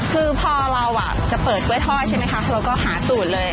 คือพอเราจะเปิดกล้วยทอดใช่ไหมคะเราก็หาสูตรเลย